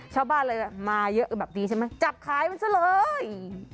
ชาวบ้านเลยมาเยอะแบบนี้ใช่ไหมจับขายมันซะเลย